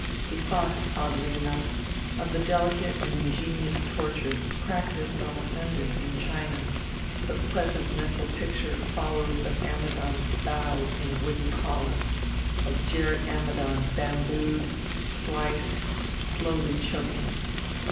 He thought, oddly enough, of the delicate and ingenious tortures practiced on offenders in China; the pleasant mental picture followed of Ammidon bowed in a wooden collar, of Gerrit Ammidon bambooed, sliced, slowly choking....